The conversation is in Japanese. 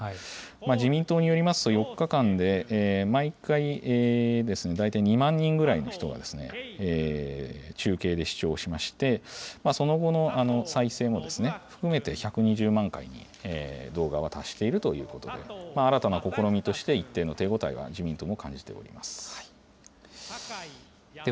自民党によりますと、４日間で毎回ですね、大体２万人ぐらいの人が、中継で視聴しまして、その後の再生も含めると１２０万回、動画は達しているということで、新たな試みとして一定の手応えは自民党も感じているようです。